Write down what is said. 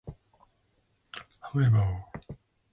However, It is used for ministers campaigns and meetings.